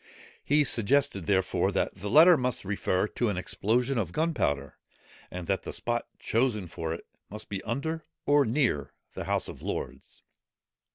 He suggested, therefore, that the letter must refer to an explosion of gunpowder, and that the spot chosen for it must be under or near the House of Lords.